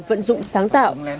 vận dụng sáng tạo